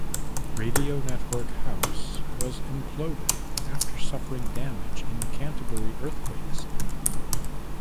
Radio Network House was imploded after suffering damage in the Canterbury earthquakes.